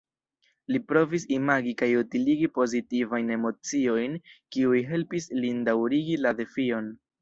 Li provis imagi kaj utiligi pozitivajn emociojn, kiuj helpis lin daŭrigi la defion.